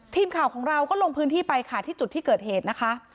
ทีมข่าวของเราก็ลงพื้นที่ไปค่ะที่จุดที่เกิดเหตุนะคะ